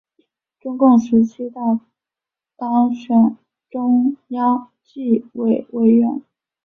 中共十七大当选中央纪委委员。